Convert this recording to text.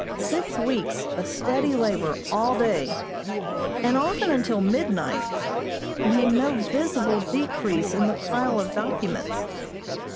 Six weeks of steady labor all day, and often until midnight, made no visible decrease in the pile of documents.